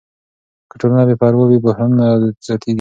که ټولنه بې پروا وي، بحرانونه زیاتېږي.